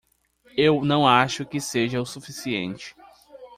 Eu não acho que seja o suficiente